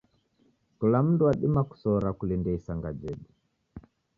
Kila mndu wadima kusora kulindia isanga jedu.